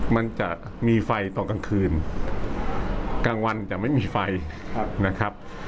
มันจะมีไฟตอนกลางคืนกลางวันจะไม่มีไฟนะครับ